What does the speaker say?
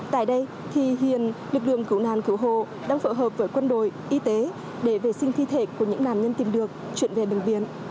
tại đây thì hiện lực lượng cứu nạn cứu hộ đang phợ hợp với quân đội y tế để vệ sinh thi thể của những nạn nhân tìm được chuyển về bệnh viện